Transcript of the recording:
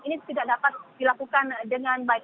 ini tidak dapat dilakukan dengan baik